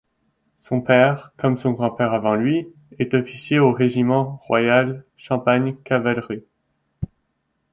Son père, comme son grand-père avant lui, est officier au régiment Royal-Champagne cavalerie.